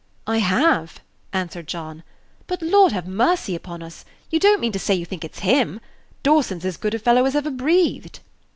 "I have," answered John; "but, Lord have mercy upon us! you don't mean to say you think it's him. Dawson's as good a fellow as ever breathed."